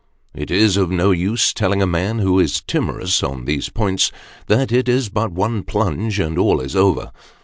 It is of no use telling a man who is timorous on these points, that it is but one plunge, and all is over.